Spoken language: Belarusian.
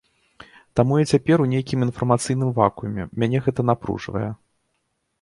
Таму я цяпер у нейкім інфармацыйным вакууме, мяне гэта напружвае.